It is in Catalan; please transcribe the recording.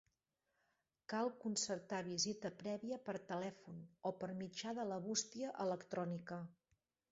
Cal concertar visita prèvia per telèfon o per mitjà de la bústia electrònica.